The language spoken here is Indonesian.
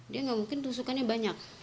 dia nggak mungkin tusukannya banyak